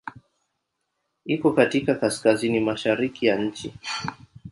Iko katika kaskazini-mashariki ya nchi.